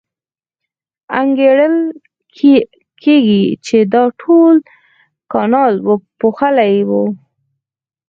انګېرل کېږي چې دا ټول کانال پوښلی و.